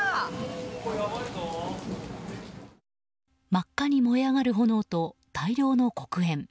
真っ赤に燃え上がる炎と大量の黒煙。